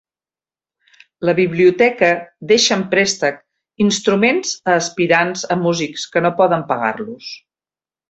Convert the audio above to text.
La biblioteca deixa en préstec instruments a aspirants a músics que no poden pagar-los.